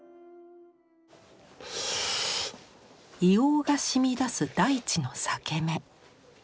硫黄がしみ出す大地の裂け目。